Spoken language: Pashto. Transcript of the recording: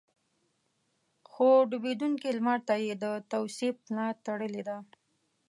خو ډوبېدونکي لمر ته يې د توصيف ملا تړلې ده.